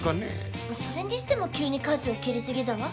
それにしても急にかじを切りすぎだわ。